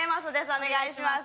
お願いします